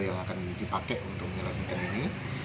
yang akan dipakai untuk menyelesaikan ini